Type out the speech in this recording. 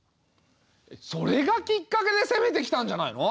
それがきっかけで攻めてきたんじゃないの？